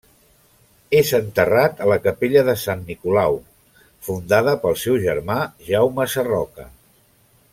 És enterrat a la capella de sant Nicolau, fundada pel seu germà Jaume Sarroca.